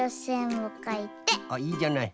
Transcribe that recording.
あっいいじゃない。